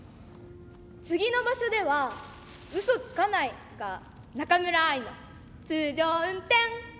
次の場所ではうそつかないが中村愛の通常運転で頑張ってみる。